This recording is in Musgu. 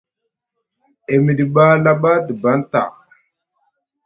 E miɗi ɓa laɓa te baŋ ta.